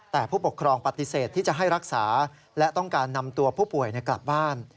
แต่ผู้ปกครองปฏิเสธที่จะให้รักษาและต้องการนำตัวผู้ป่วยกลับบ้าน